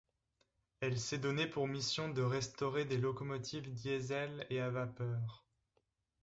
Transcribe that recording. Elle s'est donné pour mission de restaurer des locomotives diesel et à vapeur.